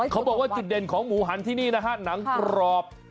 เขาบอกว่าจุดเด่นของหมูหันที่นี่นะฮะหนังกรอบ